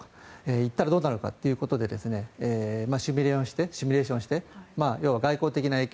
行ったらどうなるのかということでシミュレーションをして要は外交的な影響